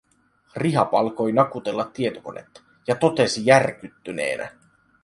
Rihab alkoi nakutella tietokonetta, ja totesi järkyttyneenä: